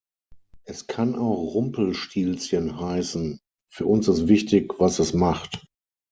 Es kann auch Rumpelstilzchen heißen, für uns ist wichtig, was es macht!